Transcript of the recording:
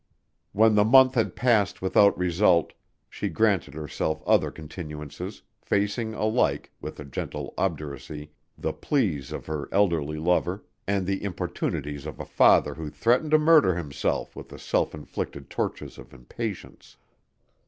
When the month had passed without result she granted herself other continuances, facing alike, with a gentle obduracy, the pleas of her elderly lover and the importunities of a father who threatened to murder himself with the self inflicted tortures of impatience.